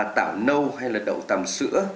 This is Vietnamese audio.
tảo nâu hay là đậu tằm sữa